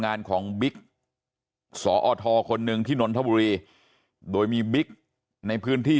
งานของบิ๊กสอทคนหนึ่งที่นนทบุรีโดยมีบิ๊กในพื้นที่